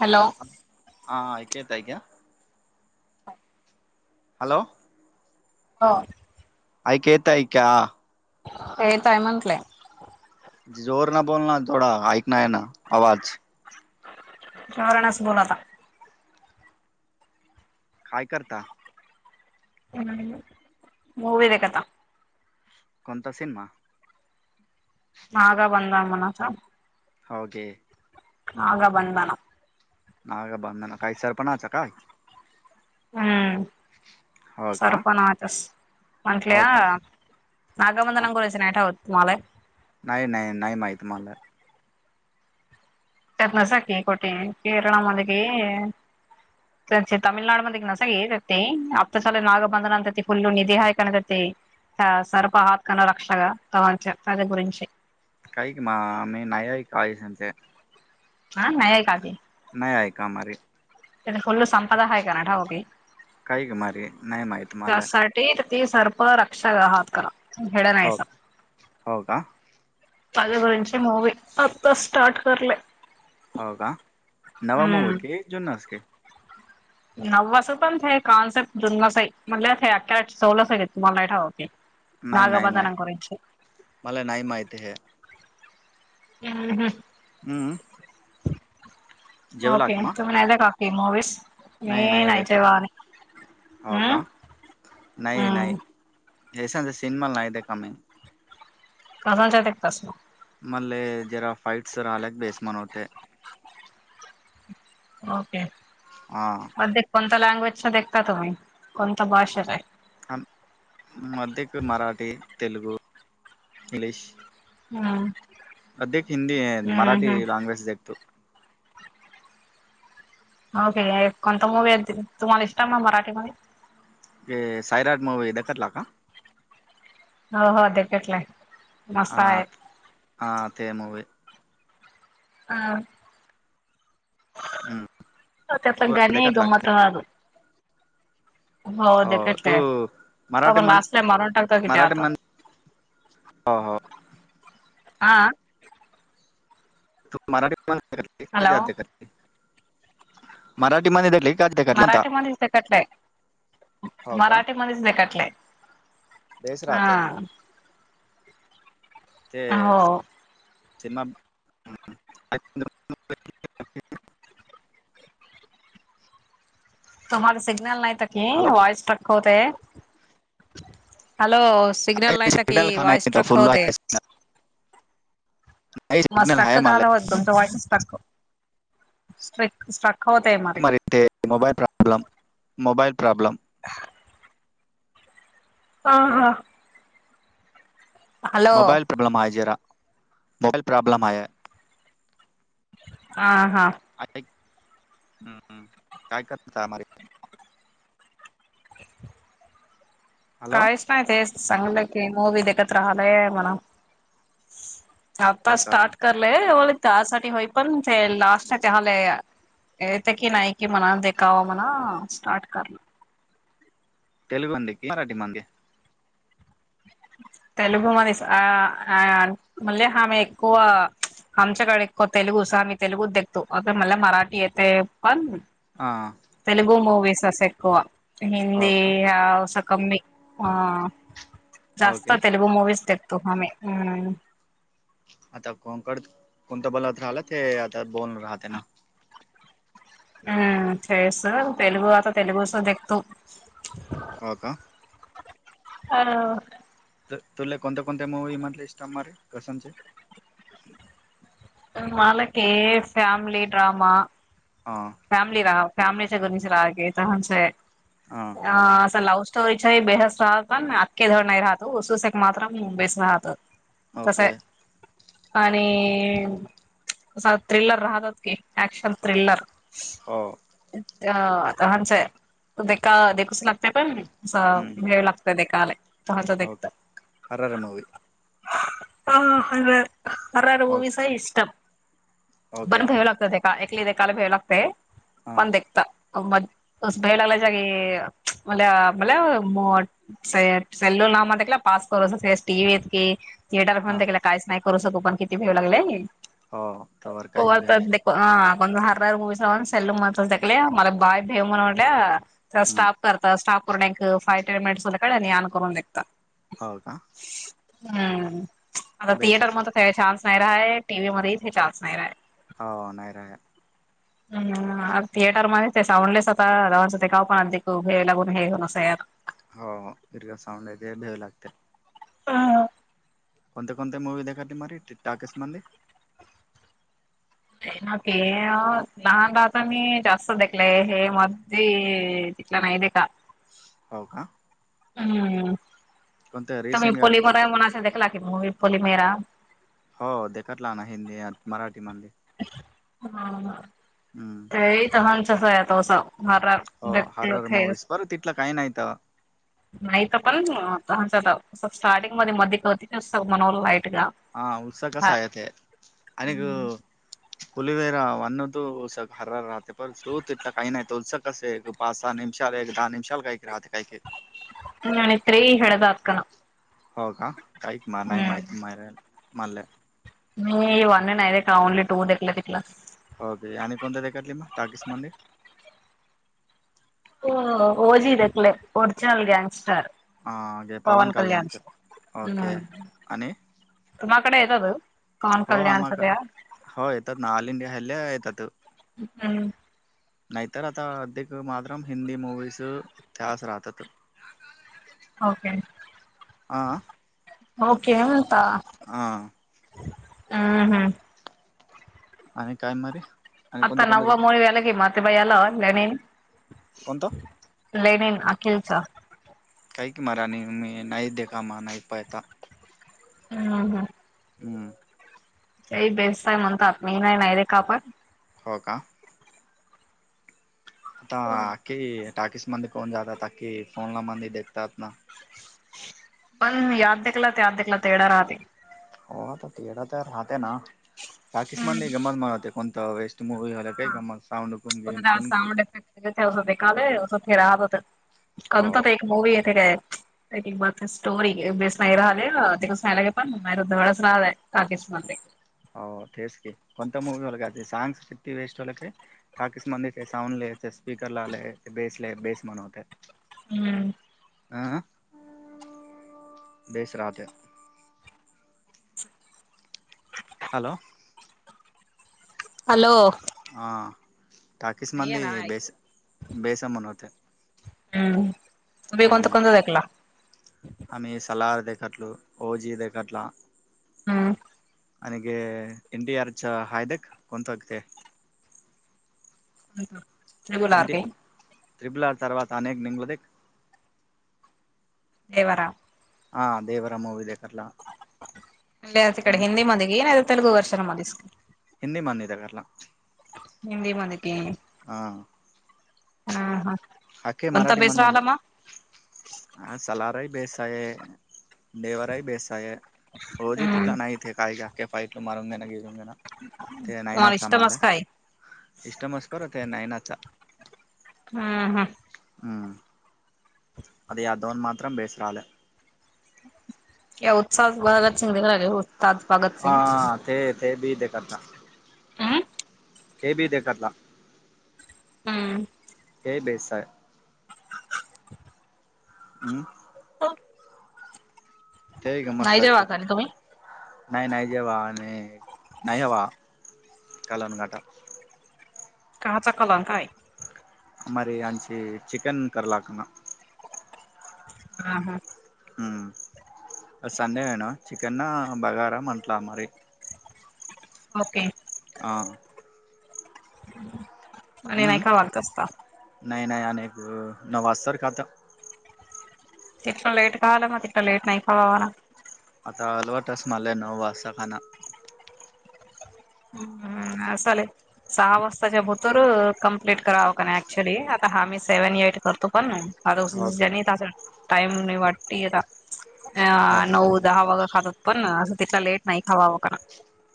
Hello! हा ऐकु येताय क्या? हॅलो! हो. ऐकू येताय क्या? येताय म्हटलयं. जोर ना बोल ना जथोडा हाऐक ना आहे ना आवाज शहारणास बलातता काय करता हम् मूवी बता कोणता सिमा माग बंद अ मनासा होे आग बंद मना ना का बांधना काही सरपणाचा काय हम्म हो का सर्पण वातस हो म्हंटलेया का नागामंना करायचं नाही ठावत तुम्हाला नाही नाही नाही माही त म्हाला तनसकी कोटी कीरणा मंद की तमळनाड म क नसग हपतशा नागबंधन अंत ते फुल्ल निधीहाय कनत ते सर्पा हातकान रक्षग तच तद गरीची काही क मा म नय काळीचच हा नाहीय कात नाही आहे आहे कामारे त्या फल्लो संपदा आहे काण ठाव की काही घ मारी नाहीय माय तु मला ते त सर्प रक्षक आहात करा हेड हो नाहीस हो का पाज वंची मूवी आता स्टार्ट करले हो का हम्म नवामवाक जुनसक नव्वास पण कॉन्सेप्ट जुन्स म्हट अख चवल तुम्हाला ठावते नाही नाही नाही नागबधनं कराच मला नाही माहिती हे हम्म हम् हम्म ओके जेवलात ना तुम काकी मूवीस नाही ये नाही रे नायच वाार हो हम् का हम्म येस सिमाल ना नाहीय काममी कसच्या ते प्रस मल जरा फईटस आलग बेस्मान होते ओके हा कोणत्या लँग्वेजचा देखता तुम्ही कोणता भाषेचा आ मध्यक मराठी तेलग इंग्लीश हम्म अधक हिंदी हम्म मराठी हम्म लाँग्वेज देख तू होके कोणता मूवी तुम्हाला इस् ना मराठी म सैराट मूवी द करला का हो हो ते पटलाय ह ह ते मूवी हह तेप हो गणे देखतला गमत का हा हो ते तू कटले मराठी आपण मान लास्टला मारून टाकतो कि ते मराठी आता मान ह ह हां त हॅलो मराठीते मराठीमध्येध्ये देले मराठीमध्येच कटलंय हो का मराठी मणसले काटले बेस हा राहते ते हो सिमा तुम्हाला सिग्नल नाहीत की व्हॉइस ट्रक होतय, हॅलो. काही सिग्नल नाहीत की का वाईस नाही ट्रक फुल होतय. आहे काही मा सिग्नल स्ट्रक आहे मला काल होत तुमच्या वाईस स्ट्रक, स्ट्र स्ट्रक होतय म. मारी ते मोबाईल प्रॉबलेम, मोबाईल प्रॉबलेम. हा हॅलो हा. मोबाईल प्रॉब्लेम आहे जरा, मोबाईल प्रॉब्लेम आहे. आ हा. [unintelligible] हम् हम, काय करएस अमरी हॅलो कायच नाही ते संगल की मूवी दिखत राहले म्हणा. हो आता का स्टार्ट करलंय [unintelligible] त्यासाठी होई पण ते लास्ट झाले. येत की नाही की मणा देखावा मणा स्टार्ट करलं. तेेलगु मध्ये की मराठी मध्येे. तेलगु मधेच आ मले आम एक्कवा. आमच्याकडे तेलुगूस आम्ही तेलुगूच देखतो आता मला मराठी येतय पण हा. तेलगू मूवीस अससं एक्वा, हो हिंदी का अस स कमी. हा, जास्त ओके तेलगु मवीस देखतो आम्ही हम्म. आता, [unintelligible] कोणत [unintelligible] ते आता बोलून राहते ना. हा [unintelligible] तेलुगू आता तेलुगूस देख तु. हा का. हाव. तुला कोनते कोणते मूवी म्हटले [unintelligible] मालक ये फॅमली ड्रमा. हां. फॅमिली राहा फॅमिली चे घणीसलागे [unintelligible] हा. अ असं लव्ह स्टोरीच्या बेहस राहत अखे धड नाही राहतो उसुसेक मात्र बेस राहतो. तस ओके हाय, आणि, संत्री ला राहत [unintelligible] ऍशन थ्रिलर. हो. अ हाचे, देका देखूच लागतेय पण हम्म, वेळ लागत ओके हरर मूवी [unintelligible] अर रूवीस ओके इष्टम, ओके बर भ्याव लागतं ते का एक देकाला भ्याव लागतय. हा पण देक्ता, म, [unintelligible] मला मला मो [unintelligible] थिएटर हा घेऊन त्याला काहीच नाही करू शकू पण किती भेऊ लागलय? हो तरवर काहीच भिऊ नाही. हा कोण हर्रार मूवीस लावा [unintelligible] भेमन वाटे, हम्म, स्टाप करता स्टॉप करून एक फाय टाईम [unintelligible] याण करून देखता. हो का. हम्म, आता बेस थियेटर असणार मध्य काय चान्स. नाही रा आहे टीव्ही मध्ये हे चान्स नाही आहे. हाव नाही राय. हम्म थिएटरमध्ये ते साउंडलेस होता [unintelligible] ते का पण अधिक हे लागून हे [unintelligible] हो, दर्घ साऊंड आहेेते भेव लागते. अ. कोणते कोणते मूवी देखा तुम्हारी टाकीइस मध्ये. [unintelligible] तिथला नाही देखा. हो का. हम्म कोणते तुमही रिसेंट गा पोललीमरा म्हना अस देखला की म पली मेरा हो देखत लह ना हिंदी मराठी मधली हा हम्म ते तर हंचस तो स हरटलेस लं काही नाहीता नाहीत पण स्टार्टिंग मध्ये मध्ये क होती मना लाईट ग हा उत्सा कसा आहे ते आणिक पुलवेैरा अन त स हरर राहते पर झो त इला काही नाहीयत उलस कसे पाच सहा निमला एक दहा निमाला गयक राहते कायक न इत्रे हडद आातकन हो का कायत म नाही माहिती म मले म वन नाही देला ओनली टू देखला तिकला होके आणि कोणत्या देखात लि म टाकीिस मंदिर ओजी देकले ओरिजनल ग्यांगस्टर पवन कल्याण ओके हम्म आणि तुम्हाकडे येतात कन हो कल्याण आम्हाक सध्या हो येतात ना ऑल इंडिया हल्ल्या येतात हम्म नाहीतर आता अधिक मात्रम हिंदी मूवीच त्याच राहतात के हा ओकेता हा हम् हम्म आणि काय मारी आता नव्वा मन व्याला की माते बाईला लणीन कोणतं लेनन अखिलच काही क मरा आणि मी नाहीै देे कामा नाहीपयता हम् हम हम ते बेस्तय म्हणतात म नाही नाही रे का आपण हो का आता अखखी टाकीस मंद कोण जातात अख्खी फोन ला मंद देखतात ना पण याद देखला याद देखला तेढ राहते हो आता तेढा तर राहत ना हम्म पाकिस्मान नाही गमत मनते कोणतं वेस्ट मूवी झाला काही हा का साऊंड को गे थे बखावेथे राहत हो कत एक मूवी येथे गय का एक बात स्टोरी बेस नाही राहिले तिकचयलाे पण मारुद्धेळच राहलाय काकीस म हो तेेस क कोण मूवीओ का सागस कती वेस्ट वालके ठाकीिस मंदचे साऊंडलेय स्पीकर ला आलेय बेसला बेस म्हनवत हम्म आ देस राात हॅलो हॅलो हां टाकीस नाहीये मंद ना ऐकू बेस बेसमन होते [unintelligible] हम्म त बी कोत कोत दाकला आमही सला [unintelligible] र दखरलं ओजी दखरला हम् ननग एन टडी आर च हयदॅक कोणंतकते [unintelligible] नाही एी ट्रिपल आर् तर्वाात अनेक निंगल दे [unintelligible] देवरा हा देवरा [unintelligible] [unintelligible] हिंदी [unintelligible] हिंदी मध्ये के हां. हा हा [unintelligible] आलमा [unintelligible] हो जी हम्म तिथला नाही [unintelligible] [unintelligible] [unintelligible] हू हं. हम्म [unintelligible] या उत्साहात [unintelligible] हा सिंग ते ते बी ते करता हं. ते बी [unintelligible] हम्म. हे बेसाय हम्. ते गम नाही साय जेवा खाली तुम्ही नाही नाही जेवा आणि नाही हवा कलम काटा काचा कंलक काय मरे आचे चिकन करालाखना [unintelligible] हम्म आज संडे हेना चिकना बगारा म्हंटला हमारे ओके. आ. आणि नाही काय [unintelligible] नाइ नाइ अनेक नवासरखात ति लेट आल म्हटलं लेट नाही कवाला आता अलवट अस मले नो वासाखना हम्म हं. ना साले सहा वाजताच्या भूतर कम्प्लीट करावं का नाही, ऍक्च्युली आता हा मी सेव्हन, एट करतो पण हो हो [unintelligible] दहा वागा खातात पण असं तिथला लेट नाही खावावं का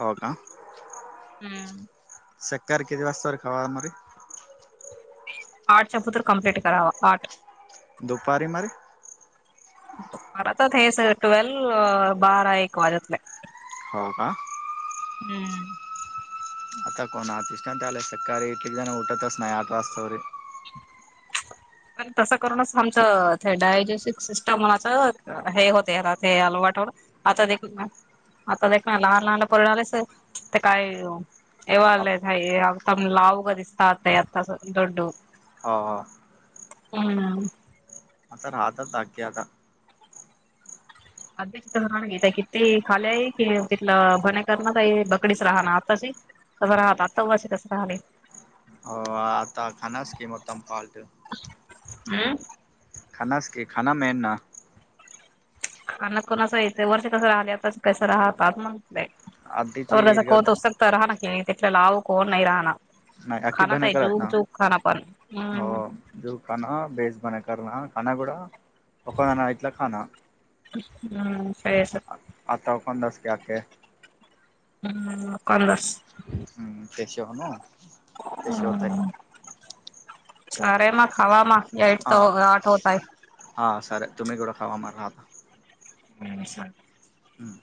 हो का? हम्म. संकार किती वाजतावर खावा [unintelligible] आठच्या पुत्र कम्प्लीट करावा आठ दुपारी मारी परातात हेसर टेवल बारा एक वाजत नाइ. हो का? हम्म. आता कोण असिस्टंट आल तर सकाळी कीती जण उठतच नाही आठ वास्तावरे पण तसं करूनच आमचं ते डायजेस्टिव सिस्टम म्हणाच हे होतय ते आलो वाटोवर आता देखील म आता ते कानावर लहान पोर आलसे तिथं काय? हो [unintelligible] ह ह. हम्. आता राहतातकी्या आता. अधचथ राहण घता किती खाली आहे की तिथलं भन करण का बकडीच राह ना आताची. कसं राहत आतास कसं राहलय. हो आता खानास किंमतम फाल्ट. हम्. खान खाना म ना. अ्ना कोणा असं येतं वर्ष कसं राहिले आता कसं राहत म्हणलंय. तर कस कोत उसकत राहा ना क ते लावू कोण नाही राहना. खाना आहे झूक झूक खाण पण हम्. जु काना बेस बना करना खना कड द ना इटला खाना. हम्म सर सर. आता कोण दस क आे. हम्म कंदस. फश न तेशथक. सरेमा खामा याठ हा स आठवताय. हा सर तुम्ही गोड खावा म राहता. हम् सर. हम्म.